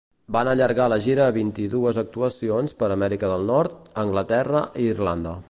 Van allargar la gira a vint-i-dues actuacions per Amèrica del nord, Anglaterra i Irlanda.